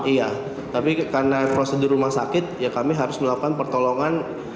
iya tapi karena prosedur rumah sakit ya kami harus melakukan pertolongan